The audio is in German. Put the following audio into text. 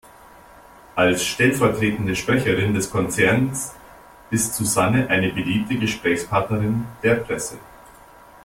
Als stellvertretende Sprecherin des Konzerns ist Susanne eine beliebte Gesprächspartnerin der Presse.